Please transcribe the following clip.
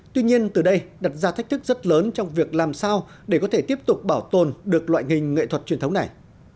tuy nhiên từ đây đặt ra thách thức rất lớn trong việc làm sao để có thể tiếp tục bảo tồn được loại hình nghệ thuật truyền thống này